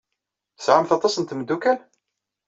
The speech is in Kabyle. Tesɛamt aṭas n tmeddukal?